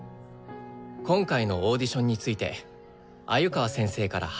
今回のオーディションについて鮎川先生から話があるそうです。